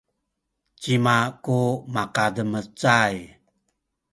cima ku makademecay?